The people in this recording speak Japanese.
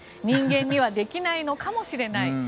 人間にはできないのかもしれない。